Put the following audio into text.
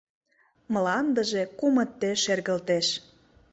Мландыже кумыте шергылтеш...